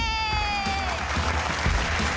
เย้